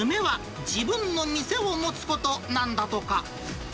夢は自分の店を持つことなんだとか。